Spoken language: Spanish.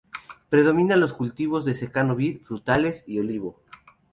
Predominan los cultivos de secano vid, frutales y olivo.